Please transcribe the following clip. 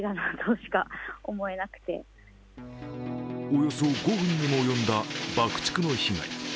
およそ５分にもおよんだ爆竹の被害。